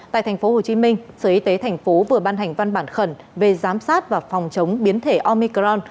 tại tp hcm sở y tế tp vừa ban hành văn bản khẩn về giám sát và phòng chống biến thể omicron